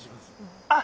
あ！